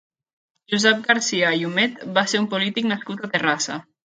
Josep Garcia i Humet va ser un polític nascut a Terrassa.